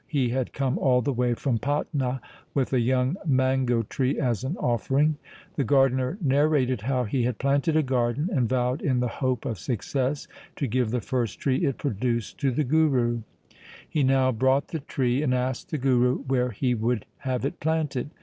He had come all the way from Patna with a young mango tree as an offering. The gardener narrated how he had planted a garden, and vowed in the hope of success to give the first tree it produced to the Guru. He now brought the tree, and asked the Guru where he would have it planted.